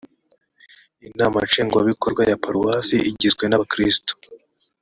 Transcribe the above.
inama nshingwabikorwa ya paruwase igizwe nabakirisitu